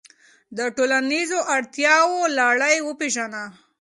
د ټولنیزو اړتیاوو لړۍ وپیژنه.